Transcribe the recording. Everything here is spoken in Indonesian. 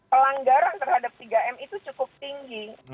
pelanggaran terhadap tiga m itu cukup tinggi